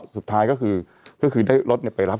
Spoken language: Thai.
สุดท้ายก็คือได้รถไปรับ